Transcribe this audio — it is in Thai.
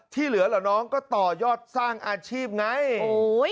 ที่เหลือเหรอน้องก็ต่อยอดสร้างอาชีพไงโอ้โห